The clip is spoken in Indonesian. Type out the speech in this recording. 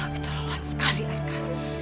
keterlaluan sekali arka